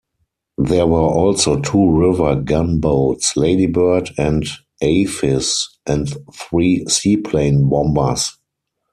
There were also two river gunboats "Ladybird" and "Aphis", and three seaplane bombers.